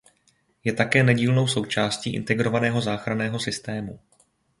Je také nedílnou součástí integrovaného záchranného systému.